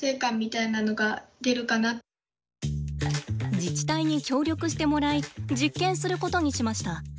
自治体に協力してもらい実験することにしました。